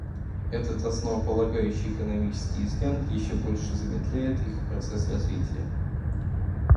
Этот основополагающий экономический изъян еще больше замедляет их процесс развития.